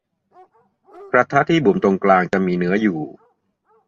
กระทะที่บุ๋มตรงกลางจะมีเนื้ออยู่